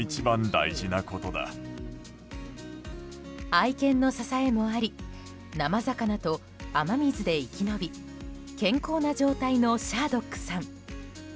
愛犬の支えもあり生魚と雨水で生き延び健康な状態のシャードックさん。